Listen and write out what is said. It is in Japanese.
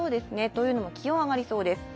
というのも気温が上がりそうです。